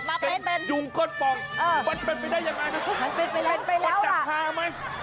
จะยุงก้ดป่องมันเป็นไปได้ยังไงพอถนัดทางพ้าหรือยังไง